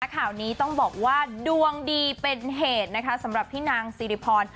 ข่าวนี้ต้องบอกว่าดวงดีเป็นเหตุนะคะสำหรับพี่นางสิริพร